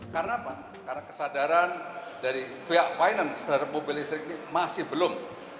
karena apa karena kesadaran dari pihak finance terhadap mobil listrik ini masih belum